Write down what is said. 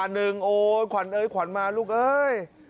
บ้านหนึ่งโอ้ยขวัญเอ๋ยขวัญมาลูกเอ้ย